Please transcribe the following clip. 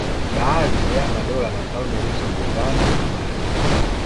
Baadhi ya madola na falme hizo ni Ghana na Mali.